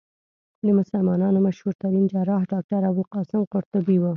د مسلمانانو مشهورترين جراح ډاکټر ابوالقاسم قرطبي وو.